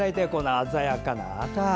鮮やかな赤。